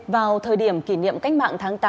vào thời điểm kỷ niệm cách mạng tháng tám